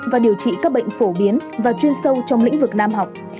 và điều trị các bệnh phổ biến và chuyên sâu trong lĩnh vực nam học